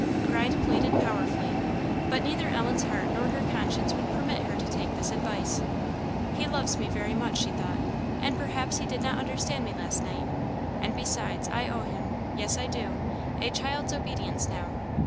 Pride pleaded powerfully. But neither Ellen's heart not her conscience would permit her to take this advice. "He loves me very much." she thought, "and perhaps he did not understand me last night; and besides, I owe him yes, I do! a child's obedience now.